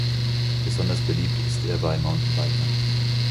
Besonders beliebt ist er bei Mountainbikern.